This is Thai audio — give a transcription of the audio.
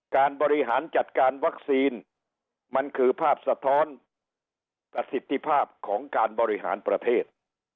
การบริหารจัดการวัคซีนมันคือภาพสะท้อนประสิทธิภาพของการบริหารประเทศ